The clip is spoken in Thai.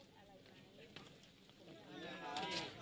สวัสดีครับ